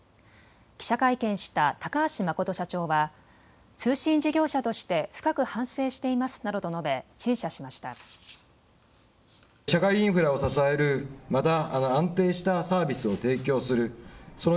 記者会見した高橋誠社長は通信事業者として深く反省していますなどと述べ陳謝しました。